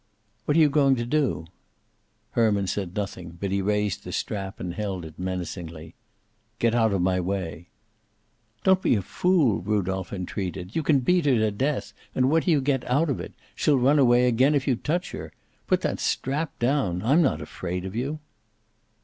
"What are you going to do?" Herman said nothing, but he raised the strap and held it menacingly. "Get out of my way." "Don't be a fool," Rudolph entreated. "You can beat her to death, and what do you get out of it? She'll run away again if you touch her. Put that strap down. I'm not afraid of you."